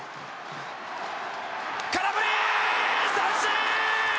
空振り三振！